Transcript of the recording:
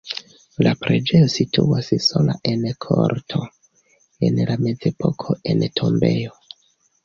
La preĝejo situas sola en korto (en la mezepoko en tombejo).